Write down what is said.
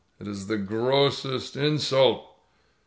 It is the grossest insult!"